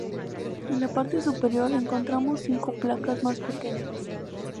En la parte superior encontramos cinco placas más pequeñas.